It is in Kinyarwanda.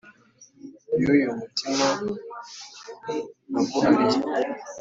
y ' uyu mutima naguhariye !